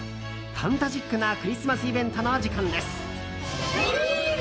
ファンタジックなクリスマスイベントの時間です。